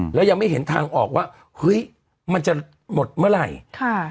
แล้วยังไม่เห็นทางออกว่าเฮ้ยมันจะหมดเมื่อไหร่ค่ะ